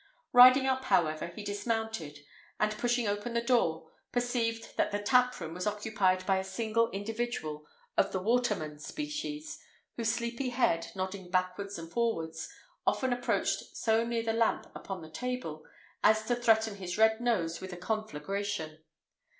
Riding up, however, he dismounted; and pushing open the door, perceived that the tap room was occupied by a single individual of the waterman species, whose sleepy head, nodding backwards and forwards, often approached so near the lamp upon the table as to threaten his red nose with a conflagration.